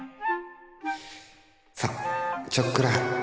さっちょっくら